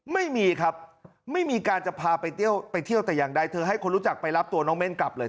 ไม่มีครับไม่มีการจะพาไปเที่ยวไปเที่ยวแต่อย่างใดเธอให้คนรู้จักไปรับตัวน้องเม่นกลับเลย